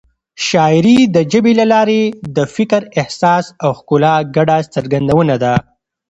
شاعري د ژبې له لارې د فکر، احساس او ښکلا ګډه څرګندونه ده.